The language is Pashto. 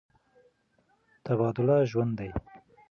تبادله ژوند دی.